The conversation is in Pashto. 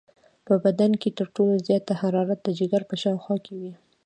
په بدن کې تر ټولو زیاته حرارت د جگر په شاوخوا کې وي.